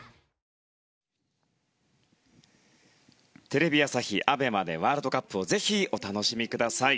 テレビ朝日、ＡＢＥＭＡでワールドカップをぜひお楽しみください！